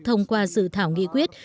thông qua dự thảo nghị quyết